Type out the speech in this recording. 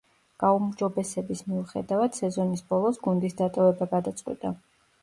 გაუმჯობესების მიუხედავად, სეზონის ბოლოს გუნდის დატოვება გადაწყვიტა.